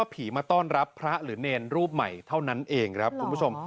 ผีมาต้อนรับพระหรือเนรรูปใหม่เท่านั้นเองครับคุณผู้ชม